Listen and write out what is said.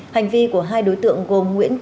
hành vi của hai đối tượng gồm nguyễn trịnh